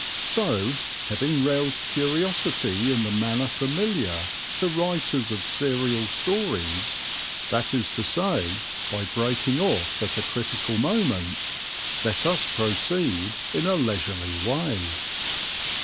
So, having roused curiosity in the manner familiar to writers of serial stories, that is to say by breaking off at a critical moment, let us proceed in a leisurely way.